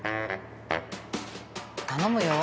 頼むよ。